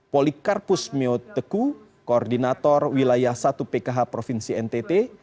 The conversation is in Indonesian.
polikarpus myo teku koordinator wilayah satu pkh provinsi ntt